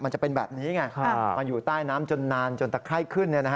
มันจะเป็นแบบนี้ไงค่ะมันอยู่ใต้น้ำจนนานจนตะไข้ขึ้นเนี่ยนะฮะ